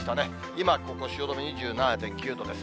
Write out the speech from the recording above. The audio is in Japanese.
今、ここ汐留、２７．９度です。